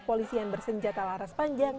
polisi yang bersenjata laras panjang